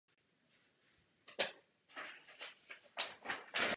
Zpráva upozorňuje na potřebu smysluplného dialogu o bezpečnostních otázkách.